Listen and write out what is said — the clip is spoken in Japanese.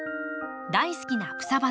大好きな草花